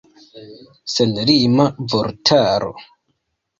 Senlima vortaro.